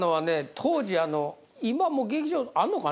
当時あの今も劇場あるのかな。